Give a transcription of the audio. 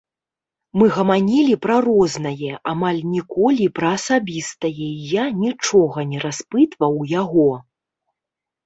Мы гаманілі пра рознае, амаль ніколі пра асабістае і я нічога не распытваў яго.